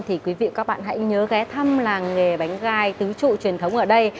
thì quý vị và các bạn hãy nhớ ghé thăm làng nghề bánh gai tứ trụ truyền thống ở đây